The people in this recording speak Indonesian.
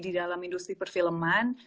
di dalam industri perfilman